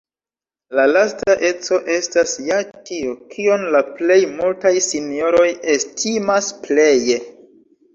La lasta eco estas ja tio, kion la plej multaj sinjoroj estimas pleje.